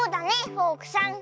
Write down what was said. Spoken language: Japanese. フォークさん。